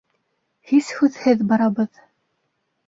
— Һис һүҙһеҙ барабыҙ.